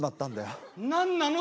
何なの？